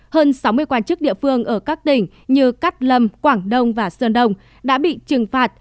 hơn sáu mươi quan chức địa phương ở các tỉnh như cát lâm quảng đông và sơn đông đã bị trừng phạt